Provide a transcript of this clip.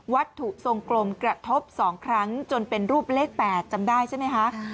ถูกทรงกลมกระทบ๒ครั้งจนเป็นรูปเลข๘จำได้ใช่ไหมคะ